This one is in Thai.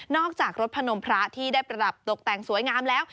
จากรถพนมพระที่ได้ประดับตกแต่งสวยงามแล้ว